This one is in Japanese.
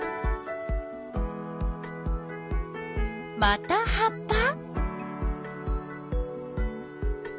また葉っぱ？